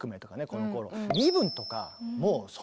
このころ。